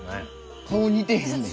顔似てへんねん！